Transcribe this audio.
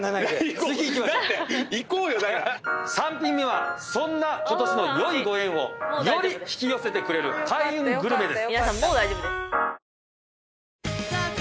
３品目はそんなことしの良いご縁をより引き寄せてくれる開運グルメです。